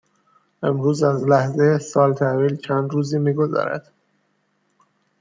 امروز از لحظه سال تحویل چند روزی میگذرد.